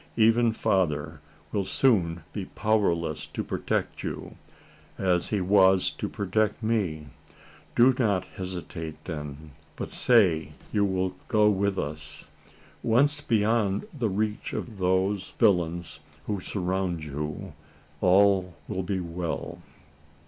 Even father will soon be powerless to protect you, as he was to protect me. Do not hesitate then, but say you will go with us? Once beyond the reach of those villains who surround you, all will be well."